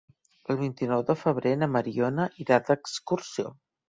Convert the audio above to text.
El vint-i-nou de febrer na Mariona irà d'excursió.